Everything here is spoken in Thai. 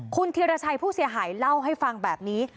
คุณธีรชัยผู้เสียหายเล่าให้ฟังแบบนี้